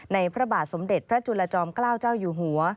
พระบาทสมเด็จพระจุลจอมเกล้าเจ้าอยู่หัว